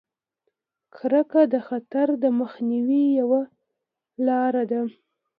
کرکه د خطر د مخنیوي یوه لاره ده.